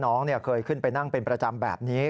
น้องเคยขึ้นไปนั่งเป็นประจำแบบนี้